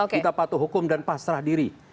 kita patuh hukum dan pasrah diri